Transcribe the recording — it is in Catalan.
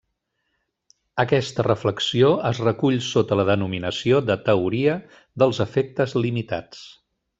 Aquesta reflexió es recull sota la denominació de Teoria dels efectes limitats.